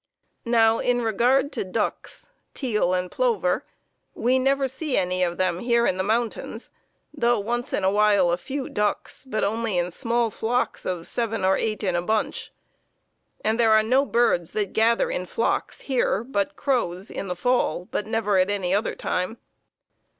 Now in regard to ducks, teal and plover, we never see any of them here in the mountains, though once in a while a few ducks, but only in small flocks of seven or eight in a bunch; and there are no birds that gather in flocks here but crows in the fall, but never at any other time.